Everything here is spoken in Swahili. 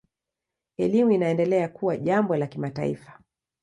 Elimu inaendelea kuwa jambo la kimataifa.